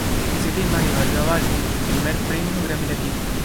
Ese tema le valió a Balvin su primer premio Grammy Latino.